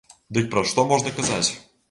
Дык пра што можна казаць?